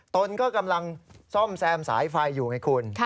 ตนก็กำลังซ่อมแซมสายไฟอยู่ไงคุณ